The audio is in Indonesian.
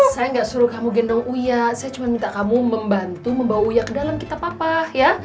saya gak suruh kamu gendong uya saya cuma minta kamu membantu membawa uya ke dalam kita papa ya